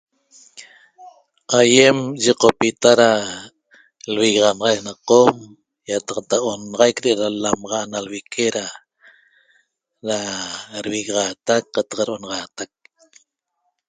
Aýem yiqopita da lvigaxanaxac na Qom ýataqta onaxaic de'da l-lamaxa ana lvique da devigaxaatac qataq do'onaxaatac